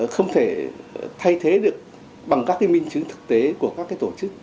không thể thay thế được bằng các minh chứng thực tế của các tổ chức